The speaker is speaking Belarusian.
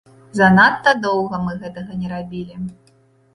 Занадта доўга мы гэтага не рабілі.